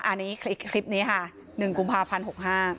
อันนี้คลิปนี้ค่ะ๑กุมภาพันธุ์๖๕